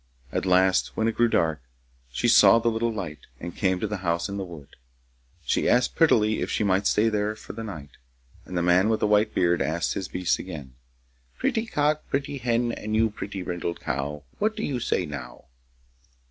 At last, when it grew dark, she saw the little light, and came to the house in the wood. She asked prettily if she might stay there for the night, and the man with the white beard asked his beasts again: Pretty cock, Pretty hen, And you, pretty brindled cow, What do you say now?